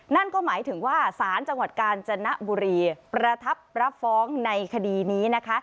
นั่นก็หมายถึงว่าศาลจังหวัดกาญจนบุรีประทับรับฟ้องในคดีนี้นะคะ